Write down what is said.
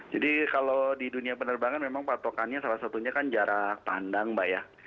jadi kalau di dunia penerbangan memang patokannya salah satunya kan jarak pandang mbak ya